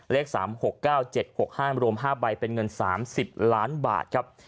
เลข๓๖๙๗๖๕รวม๕ใบเป็นเงิน๓๐ล้านบาทครับ